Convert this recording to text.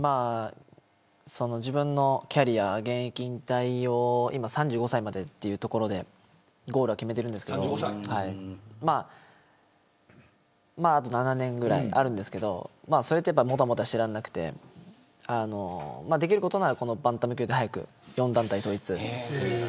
自分のキャリア、現役引退を３５歳までというところでゴールを決めているんですがあと７年ぐらいあるんですけどもたもたしていられなくてできることならバンタム級で４団体統一を。